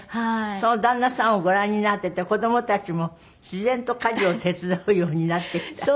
その旦那さんをご覧になってて子供たちも自然と家事を手伝うようになってきた？